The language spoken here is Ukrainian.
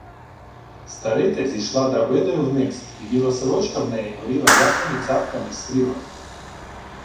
Стариця зійшла драбиною вниз, і біла сорочка в неї горіла ясними цятками й стрілами.